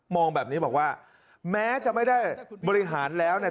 องแบบนี้บอกว่าแม้จะไม่ได้บริหารแล้วเนี่ย